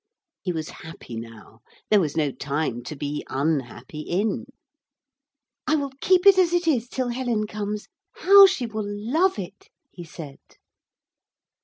He was happy now. There was no time to be unhappy in. 'I will keep it as it is till Helen comes. How she will love it!' he said.